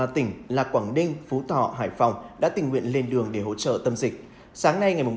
ba tỉnh là quảng ninh phú thọ hải phòng đã tình nguyện lên đường để hỗ trợ tâm dịch sáng nay ngày